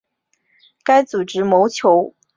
该组织谋求通过武装斗争来建立自治政府。